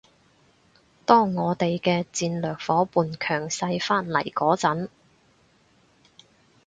當我哋嘅戰略夥伴強勢返嚟嗰陣